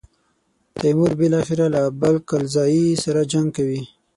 تیمور بالاخره له ابدال کلزايي سره جنګ کوي.